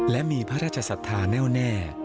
และมีพระราชศรัทธาแน่วแน่